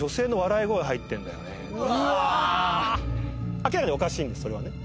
明らかにおかしいんですそれはね。